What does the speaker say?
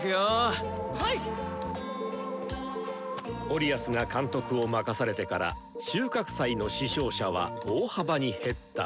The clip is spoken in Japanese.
オリアスが監督を任されてから収穫祭の死傷者は大幅に減った。